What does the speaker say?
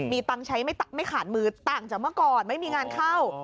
มีตังค์ใช้ไม่ขาดมือต่างจากเมื่อก่อนไม่มีงานเข้า